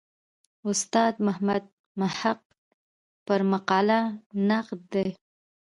استاد محمد محق پر مقاله نقد دی.